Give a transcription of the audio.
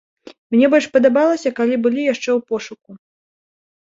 Мне больш падабалася, калі былі яшчэ ў пошуку.